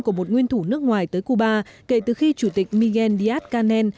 của một nguyên thủ nước ngoài tới cuba kể từ khi chủ tịch miguel díaz canel